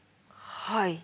はい。